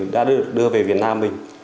đã được đưa về việt nam mình